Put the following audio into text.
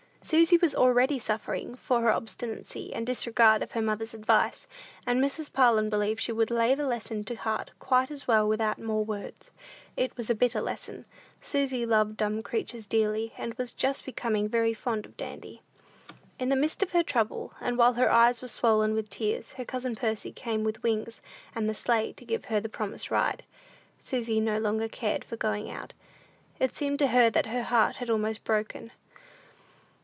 Susy was already suffering for her obstinacy and disregard of her mother's advice; and Mrs. Parlin believed she would lay the lesson to heart quite as well without more words. It was a bitter lesson. Susy loved dumb creatures dearly, and was just becoming very fond of Dandy. In the midst of her trouble, and while her eyes were swollen with tears, her cousin Percy came with Wings and the sleigh to give her the promised ride. Susy no longer cared for going out: it seemed to her that her heart was almost broken.